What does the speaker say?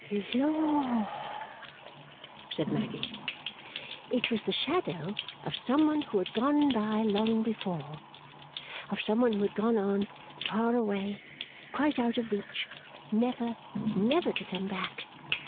'Lor!' said Maggy. 'It was the shadow of Some one who had gone by long before: of Some one who had gone on far away quite out of reach, never, never to come back.